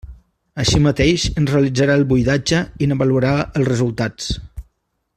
Així mateix en realitzarà el buidatge i n'avaluarà els resultats.